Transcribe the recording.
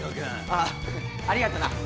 ああありがとな。